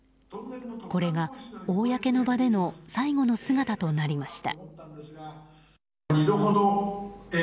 これが公の場での最後の姿となりました。